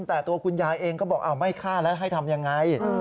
แต่ตัวคุณยายเองก็บอกไม่ฆ่าแล้วให้ทำยังไง